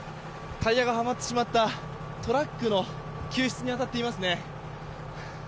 タイヤがはまってしまったトラックの救出に当たっていますね。